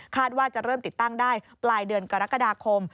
ว่าจะเริ่มติดตั้งได้ปลายเดือนกรกฎาคม